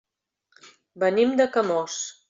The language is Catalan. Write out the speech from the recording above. Venim de Camós.